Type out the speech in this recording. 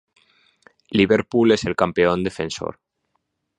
Liverpool es el campeón defensor.